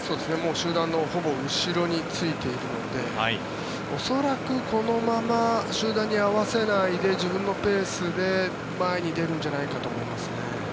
集団のほぼ後ろについているので恐らく、このまま集団に合わせないで自分のペースで前に出るんじゃないかと思いますね。